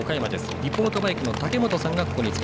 リポートバイクの武本さん。